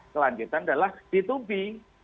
kelanjutan adalah ditubing